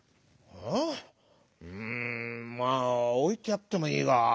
「うんまあおいてやってもいいが」。